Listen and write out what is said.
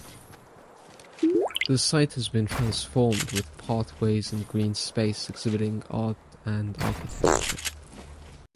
The site has been transformed with pathways and green space exhibiting art and architecture.